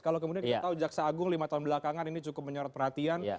kalau kemudian kita tahu jaksa agung lima tahun belakangan ini cukup menyorot perhatian